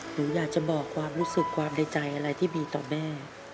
หนูอยากจะบอกความรู้สึกความในใจอะไรที่ดีต่อแม่